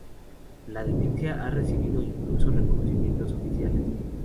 La Demencia ha recibido incluso reconocimientos oficiales.